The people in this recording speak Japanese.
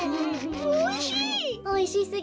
おいしい！